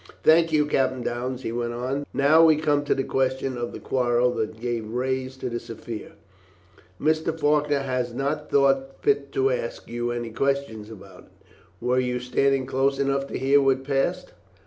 "Thank you, Captain Downes," he went on. "Now we come to the question of the quarrel that gave rise to this affair. Mr. Faulkner has not thought fit to ask you any questions about it. Were you standing close enough to hear what passed?"